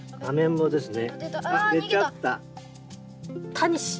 タニシ？